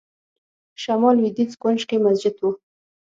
شمال لوېدیځ کونج کې مسجد و.